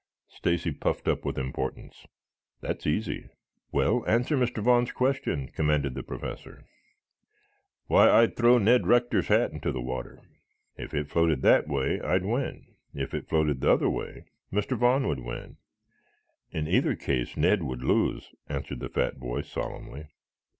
Stacy puffed up with importance. "That's easy." "Well, answer Mr. Vaughn's question," commanded the Professor. "Why, I'd throw Ned Rector's hat into the water. If it floated that way, I'd win. If it floated the other way, Mr. Vaughn would win. In either case Ned would lose," answered the fat boy solemnly.